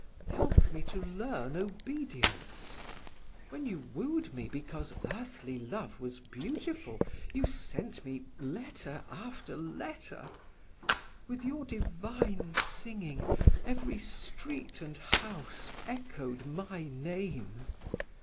Help me to learn obedience! When you wooed me because earthly love was beautiful, you sent me letter after letter. With your divine singing every street and house echoed my name!